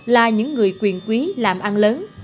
là những người quyền quý làm ăn lớn